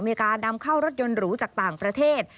มีการนำเข้ารถยนต์หรูจากต่างประเทศ